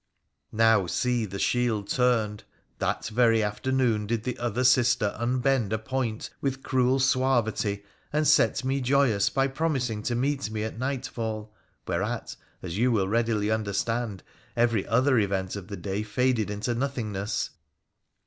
Now see the shield turned. That very afternoon did the other sister unbend a point with cruel suavity, and set me joyous by promising to meet me at nightfall, whereat, as you will readily understand, every other event of the day faded into nothingness.